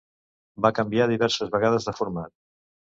Va canviar diverses vegades de format.